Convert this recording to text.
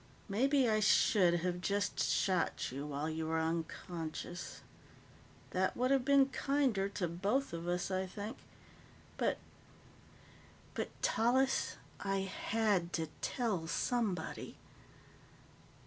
Maybe I should have just shot you while you were unconscious. That would have been kinder to both of us, I think. But ... but, Tallis, I had to tell somebody.